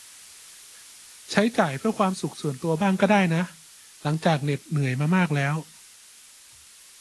ใช้จ่ายเพื่อความสุขส่วนตัวบ้างก็ได้นะหลังจากเหน็ดเหนื่อยมามากแล้ว